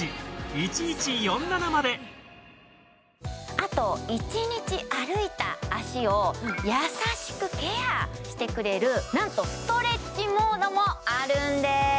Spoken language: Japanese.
あと１日歩いた足を優しくケアしてくれる何とストレッチモードもあるんです